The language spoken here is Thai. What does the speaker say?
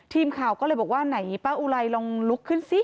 ทีมข่าวก็เลยบอกว่าไหนป้าอุไรลองลุกขึ้นสิ